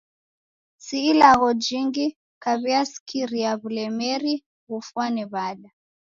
Si ilagho jingi kwaw'iasikira w'ulemeri ghugfwane w'ada.